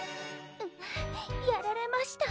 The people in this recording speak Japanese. ううやられました。